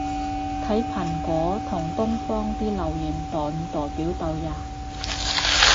睇蘋果同東方啲留言代唔代表到吖